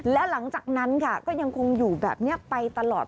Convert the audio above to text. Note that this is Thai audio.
และหลังจากนั้นค่ะก็ยังคงอยู่แบบนี้ไปตลอด